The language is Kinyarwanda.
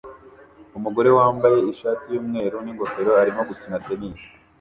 Umugore wambaye ishati yumweru ningofero arimo gukina tennis